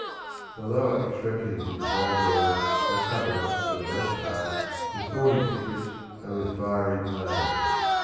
The lower extremities of this Old World are covered for the most part with thorny thickets and with fiery plains.